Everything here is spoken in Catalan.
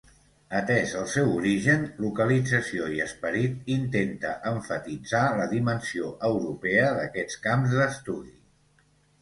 Atès el seu origen, localització i esperit, intenta emfatitzar la dimensió europea d'aquests camps d'estudi.